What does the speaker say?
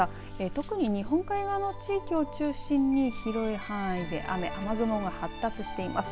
特に日本海側の地域を中心に広い範囲で雨雨雲が発達しています。